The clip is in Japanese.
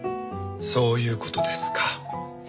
そういう事ですか。